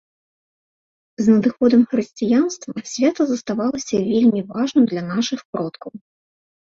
З надыходам хрысціянства свята заставалася вельмі важным для нашых продкаў.